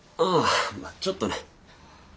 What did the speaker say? うんちょっとね。